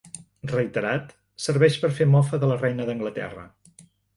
Reiterat, serveix per fer mofa de la reina d'Anglaterra.